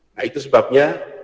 nah itu sebabnya